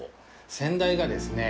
先代がですね